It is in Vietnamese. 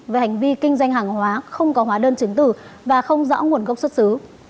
về hành vi kinh doanh hàng hóa không có hóa đơn chứng tử và không rõ nguồn gốc xuất xứ